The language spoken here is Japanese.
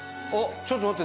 ちょっと待って。